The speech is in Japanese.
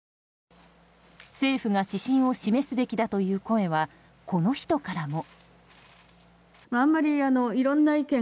政府が指針を示すべきだという声は、この人からも。